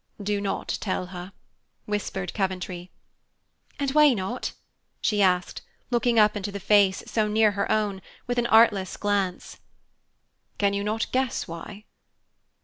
"Do not tell her," whispered Coventry. "And why not?" she asked, looking up into the face so near her own, with an artless glance. "Can you not guess why?"